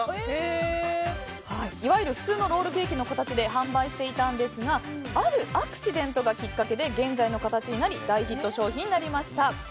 いわゆる普通のロールケーキの形で販売していたんですがあるアクシデントがきっかけで現在の形になり大ヒット商品になりました。